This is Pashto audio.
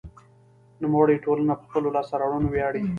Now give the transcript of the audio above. نوموړې ټولنه په خپلو لاسته راوړنو ویاړي.